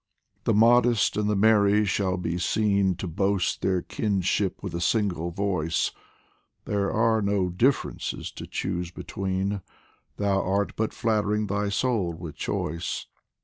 The modest and the merry shall be seen To boast their kinship with a single voice ; There are no differences to choose between, Thou art but flattering thy soul with choice